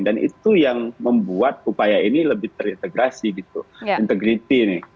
dan itu yang membuat upaya ini lebih terintegrasi gitu integrity nih